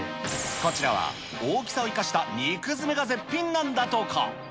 こちらは大きさを生かした肉詰めが絶品なんだとか。